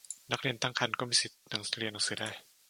นักเรียนตั้งครรภ์ ก็มีสิทธิเรียนหนังสือได้